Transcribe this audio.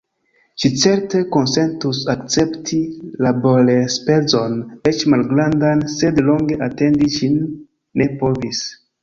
Ŝi certe konsentus akcepti laborenspezon eĉ malgrandan, sed longe atendi ŝi ne povis.